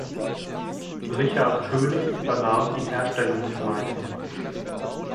Richard König übernahm die Herstellungsleitung.